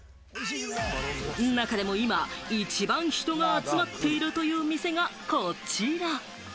中でも今一番人が集まっているという店がこちら。